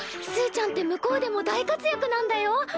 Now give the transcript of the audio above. すーちゃんって向こうでも大活躍なんだよ！